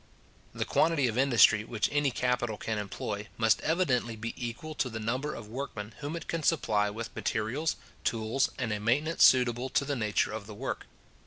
The quantity of industry which any capital can employ, must evidently be equal to the number of workmen whom it can supply with materials, tools, and a maintenance suitable to the nature of the work.